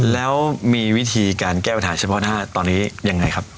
แล้วมีวิธีการแก้ปัญหาเฉพาะหน้าตอนนี้ยังไงครับ